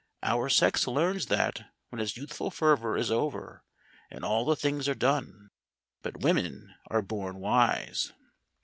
Our sex learns that when its youthful fervour is over and all the things are done. But women are born wise."